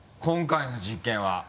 今回の実験は。